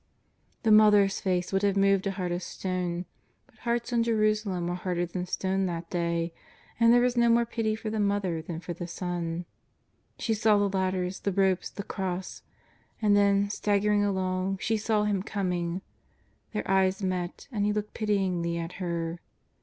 The Mother's face would have moved a heart of stone ; but hearts in Jerusalem were harder than stone that day, and there was no more pity for the Mother than for the Son. She saw the ladders, the ropes, the cross. And then, staggering along, she saw Him coming. Their eyes met, and He looked pityingly at her.